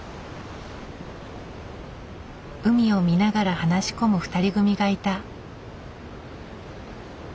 海を見ながら話し込む２人組がいた。